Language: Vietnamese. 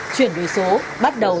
chuyển đổi số bắt đầu